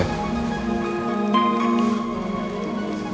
ada apa ketemu saya